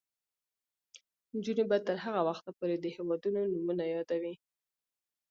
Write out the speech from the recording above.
نجونې به تر هغه وخته پورې د هیوادونو نومونه یادوي.